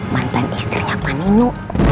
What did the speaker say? manten istrinya pak nino